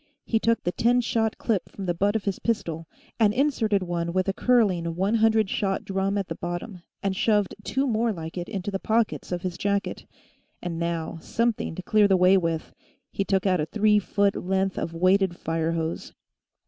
He took the ten shot clip from the butt of his pistol and inserted one with a curling hundred shot drum at the bottom, and shoved two more like it into the pockets of his jacket. And now, something to clear the way with. He took out a three foot length of weighted fire hose.